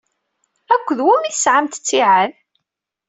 Akked wumi i tesɛamt ttiɛad?